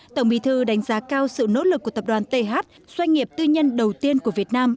tổng bí thư đánh giá cao sự nỗ lực của tập đoàn th doanh nghiệp tư nhân đầu tiên của việt nam